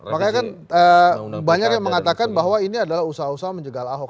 makanya kan banyak yang mengatakan bahwa ini adalah usaha usaha menjegal ahok